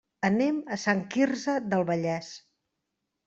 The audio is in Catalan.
Anem a Sant Quirze del Vallès.